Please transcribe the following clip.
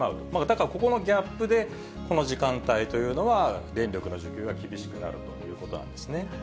だからここのギャップで、この時間帯というのは電力の受給が厳しくなるということなんですね。